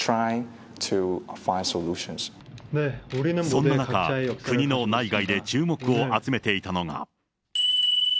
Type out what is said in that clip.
そんな中、国の内外で注目を集めていたのが。